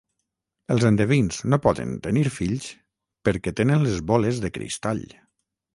Els endevins no poden tenir fills perquè tenen les boles de cristall.